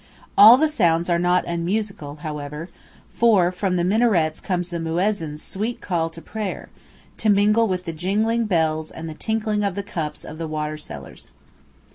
All the sounds are not unmusical, however, for from the minarets comes the "muezzin's" sweet call to prayer, to mingle with the jingling bells and the tinkling of the cups of the water sellers.